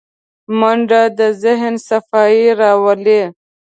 منډه د ذهن صفايي راولي